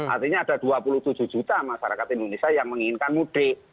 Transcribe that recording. artinya ada dua puluh tujuh juta masyarakat indonesia yang menginginkan mudik